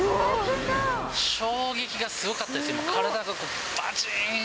衝撃がすごかったです。